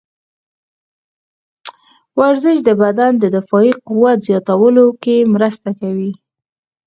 ورزش د بدن د دفاعي قوت زیاتولو کې مرسته کوي.